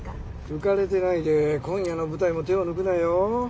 浮かれてないで今夜の舞台も手を抜くなよ。